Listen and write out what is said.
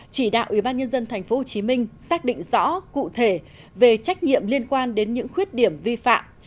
chỉ đạo ủy ban nhân dân tp hcm xác định rõ cụ thể về trách nhiệm liên quan đến những khuyết điểm vi phạm